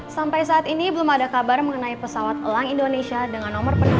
sampai saat ini belum ada kabar mengenai pesawat elang indonesia dengan nomor penerbangan